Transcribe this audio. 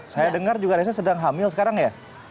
saya dengar juga reza sedang hamil sekarang ya